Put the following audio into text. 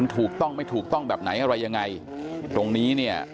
ถูกต้องไม่ถูกต้องแบบไหนอะไรยังไงตรงนี้เนี่ย